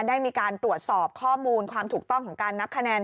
ได้มีการตรวจสอบข้อมูลความถูกต้องของการนับคะแนน